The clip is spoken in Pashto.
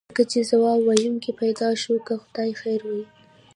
لکه چې ځواب ویونکی پیدا شو، که د خدای خیر وي.